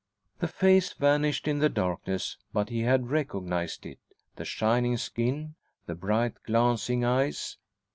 The face vanished in the darkness, but he had recognised it the shining skin, the bright glancing eyes.